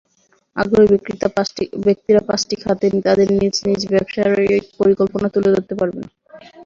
আগ্রহী ব্যক্তিরা পাঁচটি খাতে তাঁদের নিজ নিজ ব্যবসায়িক পরিকল্পনা তুলে ধরতে পারবেন।